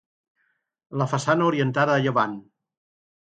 La façana orientada a llevant.